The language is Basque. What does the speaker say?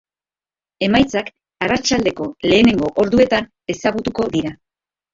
Emaitzak arratsaldeko lehenengo orduetan ezagutuko dira.